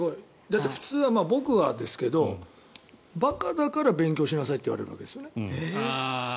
だって、普通は僕はですけど馬鹿だから勉強しなさいと言われるわけです。